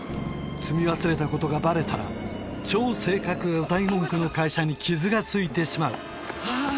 積み忘れたことがバレたら超正確！がうたい文句の会社に傷が付いてしまうあぁ